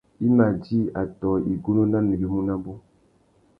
I mà djï atõh igunú na nuyumu nabú.